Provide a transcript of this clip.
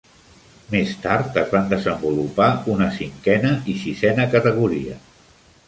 Més tard es van desenvolupar una cinquena i sisena categoria.